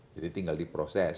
jadi tinggal diproses